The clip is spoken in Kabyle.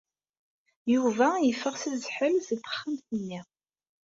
Yuba yeffeɣ s zzḥel seg texxamt-nni.